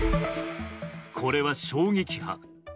これは衝撃波。